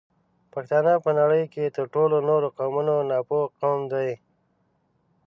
پښتانه په نړۍ کې تر ټولو نورو قومونو ناپوه قوم دی